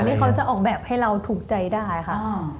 ที่เขาจะออกแบบให้เราถูกใจได้ค่ะ